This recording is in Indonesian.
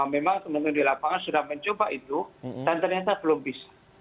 memang teman teman di lapangan sudah mencoba itu dan ternyata belum bisa